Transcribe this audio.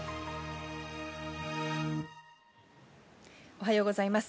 おはようございます。